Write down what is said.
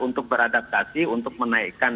untuk beradaptasi untuk menaikkan